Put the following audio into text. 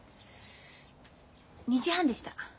２時半でした。